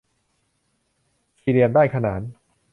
สี่เหลี่ยมด้านขนาน